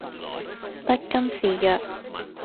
不甘示弱